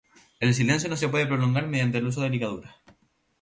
El silencio no se puede prolongar mediante el uso de ligaduras.